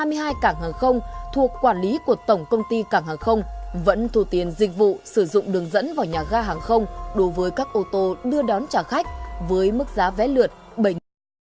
lý do gì mà đến nay hai mươi một trên hai mươi hai cảng hàng không thuộc quản lý của tổng công ty cảng hàng không vẫn thu tiền dịch vụ sử dụng đường dẫn vào nhà ga hàng không đối với các ô tô đưa đón trả khách với mức giá vé lượt bảy đồng